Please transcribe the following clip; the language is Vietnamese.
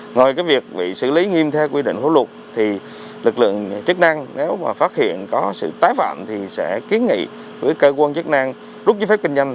ngoài việc bị xử lý nghiêm theo quy định của luật thì lực lượng chức năng nếu mà phát hiện có sự tái phạm thì sẽ kiến nghị với cơ quan chức năng rút giấy phép kinh doanh